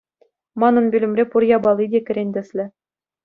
Манӑн пӳлӗмре пур япали те кӗрен тӗслӗ.